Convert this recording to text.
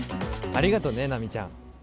ありがとうね奈未ちゃん